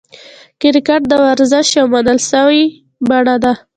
کرکټ د ورزش یوه منل سوې بڼه ده.